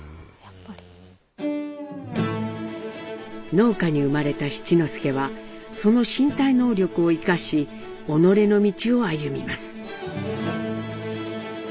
農家に生まれた七之助はその身体能力を生かし己の道を歩みます。